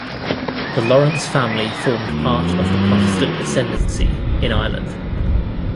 The Lawrence family formed part of the 'Protestant Ascendancy' in Ireland.